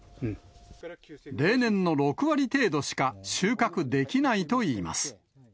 例年の６割程度しか収穫できないといいます。